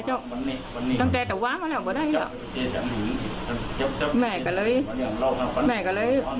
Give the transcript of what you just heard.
แจ้งความดี